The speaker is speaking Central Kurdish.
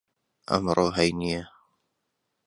ئەمڕۆ هەینییە.